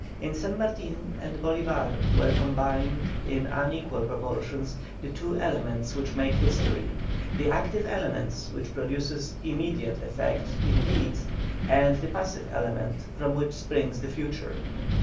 In San Martin and Bolívar were combined, in unequal proportions, the two elements which make history: the active element which produces immediate effect in deeds, and the passive element from which springs the future.